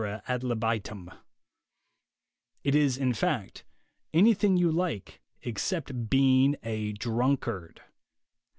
ad libitum — it is, in fact, anything you like except being a drunkard.